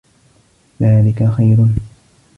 ذَلِكَ خَيْرٌ